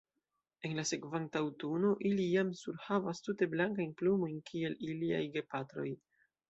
En la sekvanta aŭtuno ili jam surhavas tute blankajn plumojn kiel iliaj gepatroj.